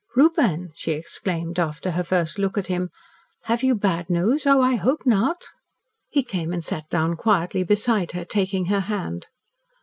"Reuben!" she exclaimed, after her first look at him, "have you bad news? Oh, I hope not!" He came and sat down quietly beside her, taking her hand.